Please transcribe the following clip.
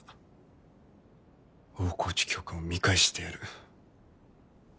大河内教官を見返してやる。